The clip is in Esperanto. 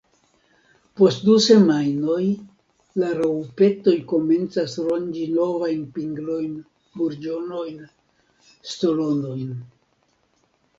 Post du semajnoj la raŭpetoj komencas ronĝi novajn pinglojn, burĝonojn, stolonojn.